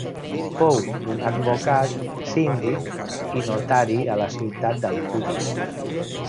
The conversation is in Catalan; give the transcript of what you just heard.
Fou un advocat, síndic i notari a la ciutat d'Alcúdia.